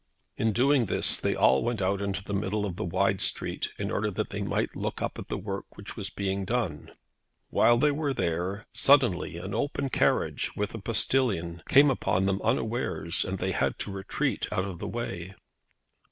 In doing this they all went out into the middle of the wide street in order that they might look up at the work which was being done. While they were there, suddenly an open carriage, with a postilion, came upon them unawares, and they had to retreat out of the way.